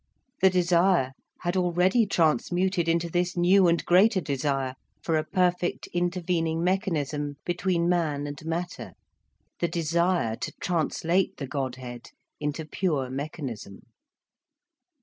The desire had already transmuted into this new and greater desire, for a perfect intervening mechanism between man and Matter, the desire to translate the Godhead into pure mechanism.